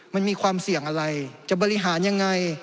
มันมีความเสี่ยงอะไรจะบริหารยังไง